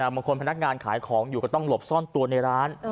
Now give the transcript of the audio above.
พนักงานขายของอยู่ก็ต้องหลบซ่อนตัวในร้าน